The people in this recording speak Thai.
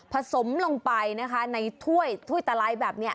ผสมลงไปนะคะในถ้วยถ้วยตาไลน์แบบนี้